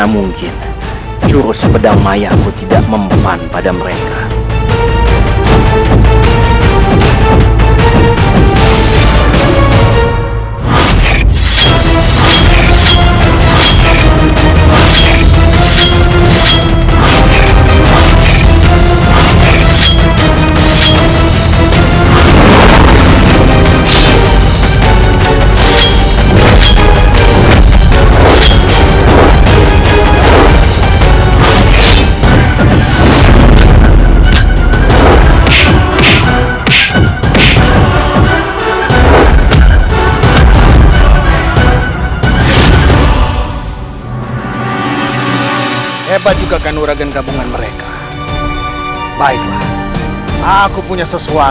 aku harus menolongnya